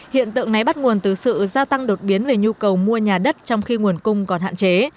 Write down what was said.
hiện tượng này bắt nguồn từ sự gia tăng đột biến về nhu cầu mua nhà đất trong khi nguồn cung còn hạn chế